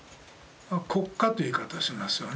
「国家」という言い方をしますよね。